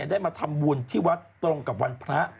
ได้มาทำบุญที่วัดตรงกับวันพระ